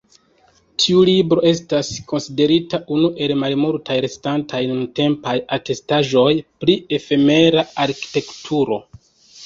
Tiu libro estas konsiderita unu el la malmultaj restantaj nuntempaj atestaĵoj pri efemera arkitekturo.